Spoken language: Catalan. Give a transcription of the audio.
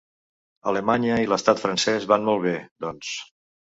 Alemanya i l’estat francès van molt bé, doncs.